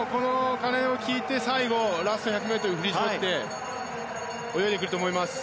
鐘を聞いて、最後ラスト１００ｍ振り絞って泳いでくると思います。